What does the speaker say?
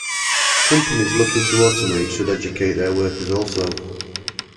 Companies looking to automate should educate their workers also.